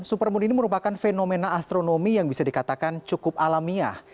supermoon ini merupakan fenomena astronomi yang bisa dikatakan cukup alamiah